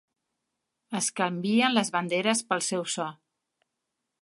Es canvien les banderes pel seu so.